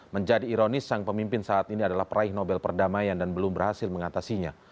menjadi ironis sang pemimpin saat ini adalah peraih nobel perdamaian dan belum berhasil mengatasinya